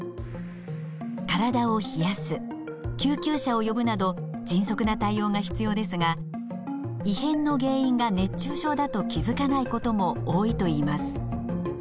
体を冷やす救急車を呼ぶなど迅速な対応が必要ですが異変の原因が熱中症だと気づかないことも多いといいます。